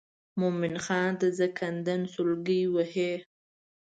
مومن خان د زکندن سګلې وهي.